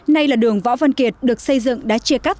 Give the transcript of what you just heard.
nay là đường võ văn kiệt được xây dựng đã chia cắt